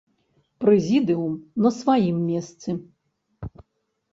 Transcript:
Прэзідыум на сваім месцы.